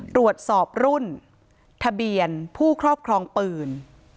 ตรวจสอบรุ่นทะเบียนผู้ครอบครองปืน